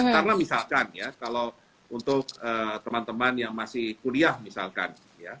karena misalkan ya kalau untuk teman teman yang masih kuliah misalkan